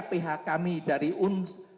pihak kami dari unsur